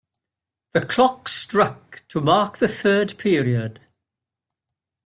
The clock struck to mark the third period.